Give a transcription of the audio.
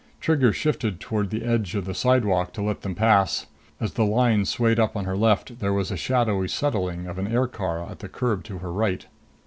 Trigger shifted toward the edge of the sidewalk to let them pass. As the line swayed up on her left, there was a shadowy settling of an aircar at the curb to her right.